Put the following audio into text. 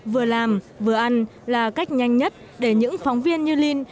vừa làm vừa ăn là cách nhanh nhất để những phóng viên như linh